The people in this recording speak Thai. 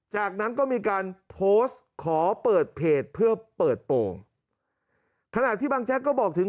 จากนั้นก็มีการโพสต์ขอเปิดเพจเพื่อเปิดโปรงขณะที่บางแจ๊กก็บอกถึง